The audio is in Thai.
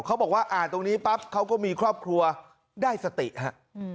เขาบอกว่าอ่านตรงนี้ปั๊บเขาก็มีครอบครัวได้สติฮะ